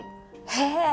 へえ！